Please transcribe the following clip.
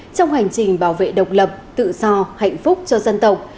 trong hành trình bảo vệ độc lập tự do hạnh phúc cho dân tộc